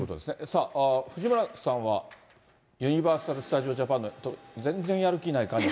さあ、藤村さんは、ユニバーサル・スタジオ・ジャパンの、全然やる気ない感じ。